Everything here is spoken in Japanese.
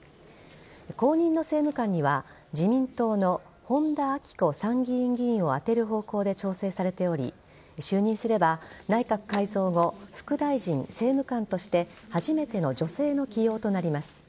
後任の政務官には自民党の本田顕子参議院議員を充てる方向で調整されており就任すれば、内閣改造後副大臣・政務官として初めての女性の起用となります。